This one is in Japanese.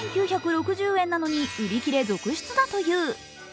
３９６０円なのに売り切れ続出だという。